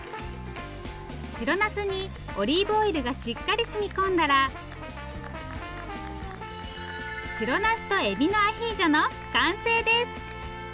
白なすにオリーブオイルがしっかりしみ込んだら白なすとエビのアヒージョの完成です。